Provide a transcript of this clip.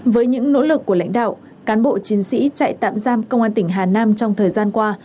với những nỗ lực của lãnh đạo cán bộ chiến sĩ trại tạm giam công an tỉnh hà nam trong thời gian qua